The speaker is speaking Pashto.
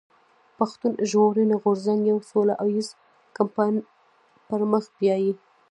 پښتون ژغورني غورځنګ يو سوله ايز کمپاين پر مخ بيايي.